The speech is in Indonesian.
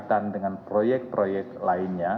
berkaitan dengan proyek proyek lainnya